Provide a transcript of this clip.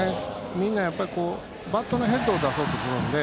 みんな、バットのヘッドを出そうとするので。